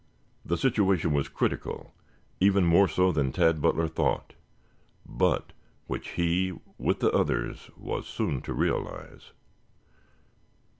The situation was critical, even more so than Tad Butler thought, but which he, with the others, was soon to realize.